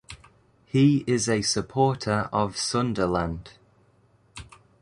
He is a supporter of Sunderland.